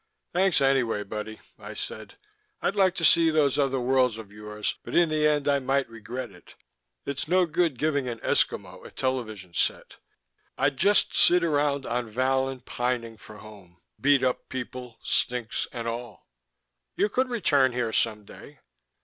"Thanks anyway, buddy," I said. "I'd like to see those other worlds of yours but in the end I might regret it. It's no good giving an Eskimo a television set. I'd just sit around on Vallon pining for home: beat up people, stinks, and all." "You could return here some day."